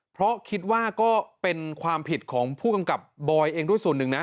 เพราะคิดว่าก็เป็นความผิดของผู้กำกับบอยเองด้วยส่วนหนึ่งนะ